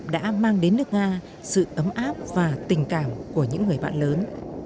đã mang đến nước nga sự ấm áp và tình cảm của những người bạn lớn